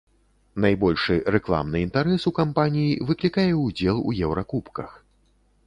Найбольшы рэкламны інтарэс у кампаній выклікае ўдзел у еўракубках.